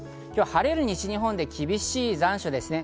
晴れる西日本で厳しい残暑ですね。